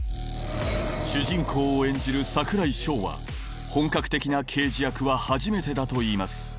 主人公を演じる櫻井翔は本格的な刑事役は初めてだといいます